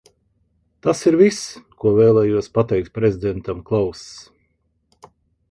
Tas ir viss, ko vēlējos pateikt prezidentam Klaus.